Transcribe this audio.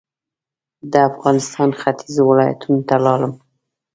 د افغانستان ختيځو ولایتونو ته لاړم.